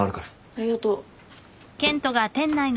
ありがとう。